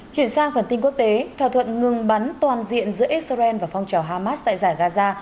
chuyển sang phần tin quốc tế thỏa thuận ngừng bắn toàn diện giữa israel và phong trào hamas tại giải gaza